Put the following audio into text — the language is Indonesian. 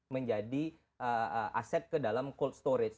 menjadi aset ke dalam cold storage